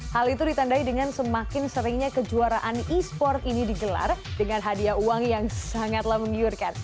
hal itu ditandai dengan semakin seringnya kejuaraan e sport ini digelar dengan hadiah uang yang sangatlah menggiurkan